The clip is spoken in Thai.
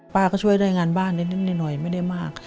ป้าก็ช่วยได้งานบ้านนิดหน่อยไม่ได้มาก